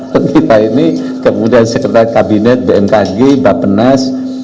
kita ini kemudian sekretariat kabinet bmkg bapenas